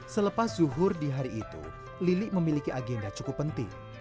selepas zuhur di hari itu lili memiliki agenda cukup penting